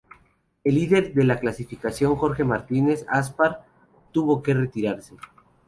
El líder de la clasificación Jorge Martínez Aspar tuvo que retirarse.